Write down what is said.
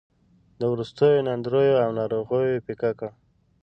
د وروستیو ناندریو او ناروغیو پېکه کړ.